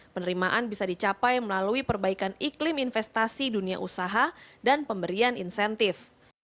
penerimaan bisa dicapai melalui perbaikan iklim investasi dunia usaha dan pemberian insentif